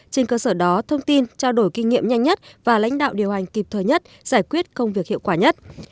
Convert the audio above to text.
trên cơ sở đó thông tin trao đổi kinh nghiệm nhanh nhất và lãnh đạo điều hành kịp thời nhất giải quyết công việc hiệu quả nhất